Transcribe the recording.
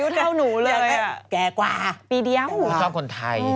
ลูกชายพี่เหมียวอายุเท่านูเลย